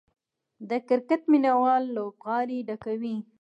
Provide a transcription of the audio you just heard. د کرکټ مینه وال لوبغالي ډکوي.